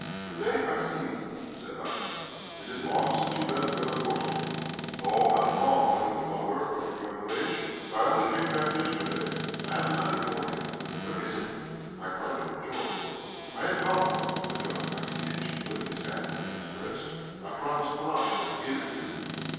"Good day, Maximitch," said I, "is it long since you left Bélogorsk?" "No, not long, my little father, Petr' Andréjïtch; I only came back yesterday. I have a letter for you." "Where is it?" I cried, overjoyed. "I have got it," rejoined Maximitch, putting his hand into his breast. "I promised Palashka to give it to you."